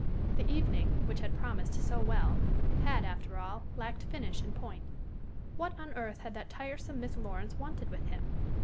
The evening, which had promised so well, had, after all, lacked finish and point. What on earth had that tiresome Miss Lawrence wanted with him?